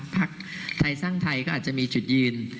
พักไทยสร้างไทยก็อาจจะมีจุดยืน